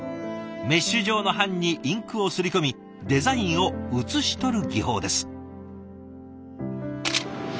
メッシュ状の版にインクを刷り込みデザインを写し取る技法です。